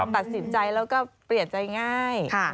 ตัดสินใจแล้วก็เปลี่ยนใจง่าย